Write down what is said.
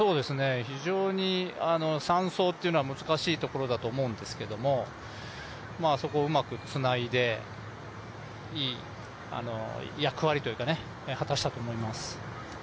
非常に３走というのは難しいところだと思うんですけどそこをうまくつないでいい役割を果たしたと思います。